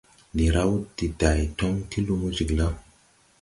Ndi raw de day toŋ ti lumo jiglaw.